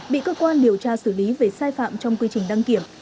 bị cơ quan điều tra xử lý về sai phạm trong quy trình đăng kiểm